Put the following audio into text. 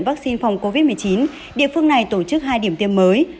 vaccine phòng covid một mươi chín địa phương này tổ chức hai điểm tiêm mới